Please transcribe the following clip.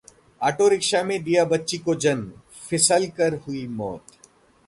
auto rickshaw में दिया बच्ची को जन्म, फिसलकर हुई मौत